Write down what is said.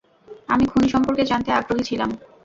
আমি খুনি সম্পর্কে জানতে আগ্রহী ছিলাম।